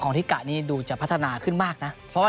ของดิ๊กากรานี่ดูจะพัฒนาขึ้นมากนะ